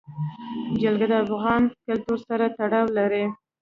جلګه د افغان کلتور سره تړاو لري.